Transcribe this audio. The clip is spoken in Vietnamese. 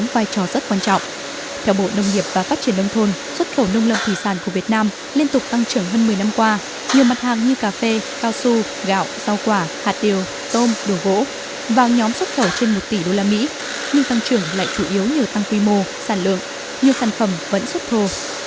nhóm vai trò rất quan trọng theo bộ nông nghiệp và phát triển nông thôn xuất khẩu nông lâm thủy sản của việt nam liên tục tăng trưởng hơn một mươi năm qua nhiều mặt hàng như cà phê cao su gạo rau quả hạt tiều tôm đồ gỗ và nhóm xuất khẩu trên một tỷ usd nhưng tăng trưởng lại chủ yếu nhờ tăng quy mô sản lượng nhưng sản phẩm vẫn xuất thô